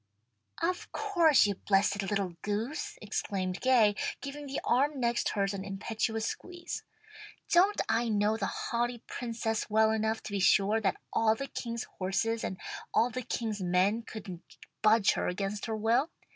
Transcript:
"Of course! you blessed little goose!" exclaimed Gay, giving the arm next hers an impetuous squeeze. "Don't I know the haughty Princess well enough to be sure that all the king's horses and all the king's men couldn't budge her against her will?